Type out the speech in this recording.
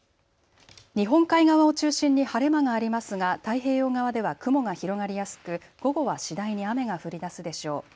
日本海側を中心に晴れ間がありますが太平洋側では雲が広がりやすく午後は次第に雨が降りだすでしょう。